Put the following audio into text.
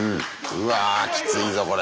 うわきついぞこれ。